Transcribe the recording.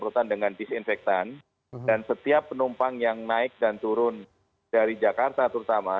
terutama dengan disinfektan dan setiap penumpang yang naik dan turun dari jakarta terutama